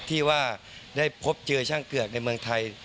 ที่ว่าได้พบเจอช่างเกือกในเมืองไทย